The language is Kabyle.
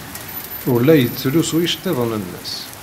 Ur la yettlusu iceḍḍiḍen-nnes.